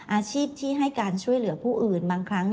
อาชีพที่ให้การช่วยเหลือผู้อื่นบางครั้ง